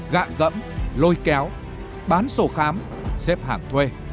gạ gẫm lôi kéo bán sổ khám xếp hàng thuê